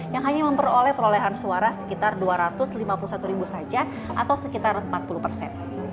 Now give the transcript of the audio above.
yang hanya memperoleh perolehan suara sekitar dua ratus lima puluh satu ribu saja atau sekitar empat puluh persen